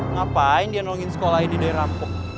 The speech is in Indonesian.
ngapain dia nolongin sekolah ini dari rampok